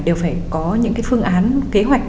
đều phải có những phương án kế hoạch